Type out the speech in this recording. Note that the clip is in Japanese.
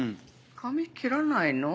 髪切らないの？